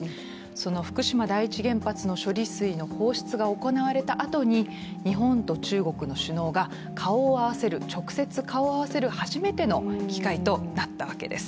その福島第一原発の処理水の放出が行われたあとに日本と中国の首脳が直接顔を合わせる初めての機会となったわけです。